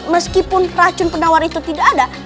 meskipun racun penawar itu tidak ada